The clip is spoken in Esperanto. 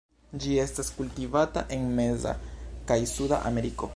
Ĝi estas kultivata en meza kaj suda Ameriko.